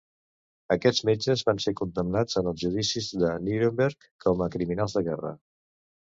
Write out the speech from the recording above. Aquests metges van ser condemnats en els Judicis de Nuremberg com a criminals de guerra.